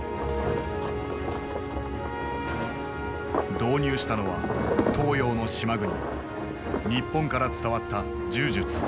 導入したのは東洋の島国日本から伝わった柔術。